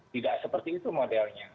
tidak seperti itu modelnya